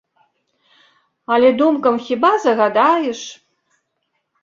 Але думкам хіба загадаеш?